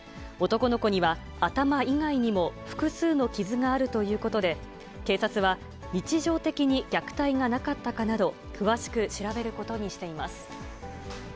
男の子には、頭以外にも複数の傷があるということで、警察は、日常的に虐待がなかったかなど、詳しく調べることにしています。